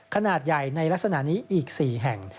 ขนาดใหญ่ในลักษณะนี้อีก๔แห่ง